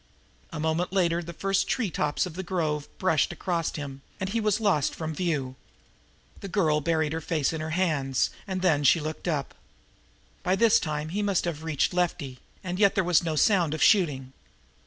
A moment later the first treetops of the grove brushed across him, and he was lost from view. The girl buried her face in her hands, then she looked up. By this time he must have reached Lefty, and yet there was no sound of shooting.